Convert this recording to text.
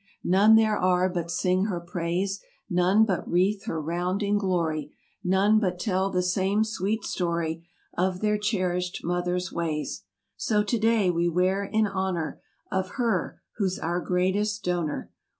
None there are but sing her praise. None but wreath her round in glory, None but tell the same sweet story Of their cherished mother's ways. So today, we wear in honor Of her, who's our greatest donor.